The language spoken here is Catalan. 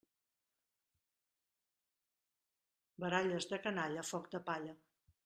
Baralles de canalla, foc de palla.